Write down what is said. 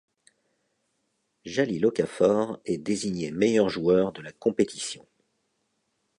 Jahlil Okafor est désigné meilleur joueur de la compétition.